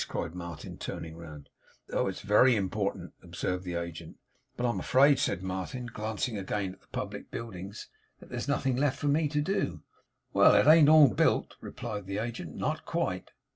cried Martin turning round. 'Oh! it's very important,' observed the agent. 'But, I am afraid,' said Martin, glancing again at the Public Buildings, 'that there's nothing left for me to do.' 'Well! it ain't all built,' replied the agent. 'Not quite.